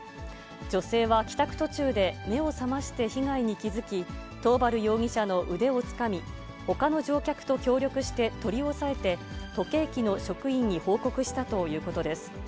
女性は帰宅途中で、目を覚まして被害に気付き、桃原容疑者の腕をつかみ、ほかの乗客と協力して、取り押さえて、土気駅の職員に報告したということです。